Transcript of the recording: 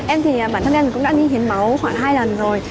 em thì bản thân em cũng đã đi hiến máu khoảng hai lần rồi